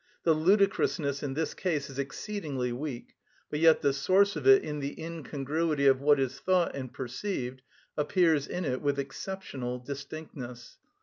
The ludicrousness in this case is exceedingly weak; but yet the source of it in the incongruity of what is thought and perceived appears in it with exceptional distinctness.